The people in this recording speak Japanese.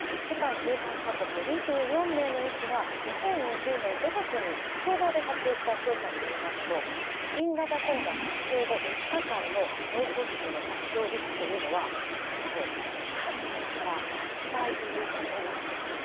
世界１８か国２４名の医師が２０２０年５月に共同で発表した調査によりますと新型コロナ発症後３日間の脳卒中の発症リスクというのはなんと３倍から８倍ということなんです。